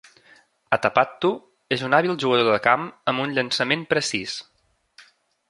Atapattu és un hàbil jugador de camp amb un llançament precís.